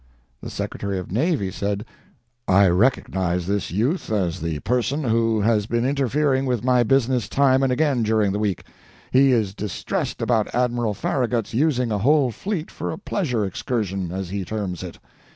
The Secretary of the Navy said: "I recognize this youth as the person who has been interfering with my business time and again during the week. He is distressed about Admiral Farragut's using a whole fleet for a pleasure excursion, as he terms it.